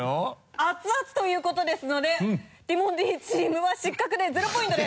熱々ということですのでティモンディチームは失格でゼロポイントです。